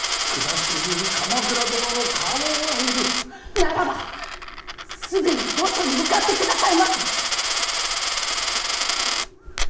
ならばすぐに御所に向かってくださいませ！